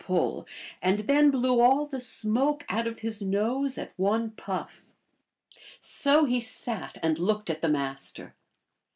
59 pull, and then blew all the smoke out of his nose at one puff. So he sat and looked at the Master.